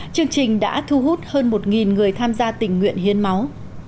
chương trình đã thu hút hơn một người tham gia tình nguyện hiến máu